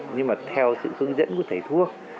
nhưng mà theo sự hướng dẫn của thầy thuốc